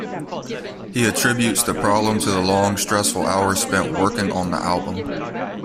He attributes the problem to the long stressful hours spent working on the album.